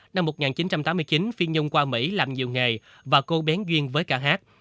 năm một nghìn chín trăm tám mươi chín phi nhung qua mỹ làm nhiều nghề và cô bén duyên với ca hát